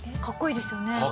かっこいいですよね。